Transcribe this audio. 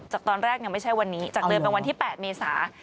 ตอนแรกไม่ใช่วันนี้จากเดินไปวันที่๘เมษา